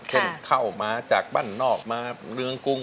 เข้ามาจากบ้านนอกมาเมืองกรุง